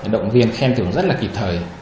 động viên khen thưởng rất là kịp thời